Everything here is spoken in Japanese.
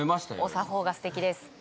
お作法がすてきです